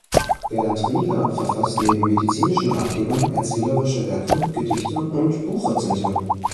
Berndt Rieger verfasst neben medizinischen Ratgebern erzählerische Werke, Gedichte und Buchrezensionen.